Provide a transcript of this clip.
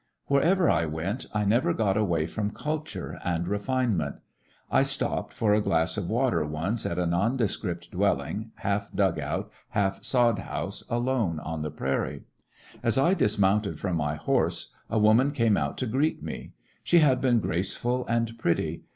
Wherever I went, I never got away from ne woman in culture and refinement. I stopped for a glass '^^^^^^ of water once at a nondescript dwelling, half dug out, half sod house, alone on the prairie. As I dismounted from my horse a woman came out to meet me. She had been graceful and pretty.